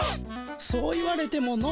そう言われてもの。